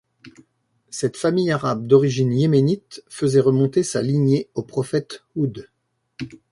Cette famille arabe d'origine yéménite faisait remonter sa lignée au prophète Houd.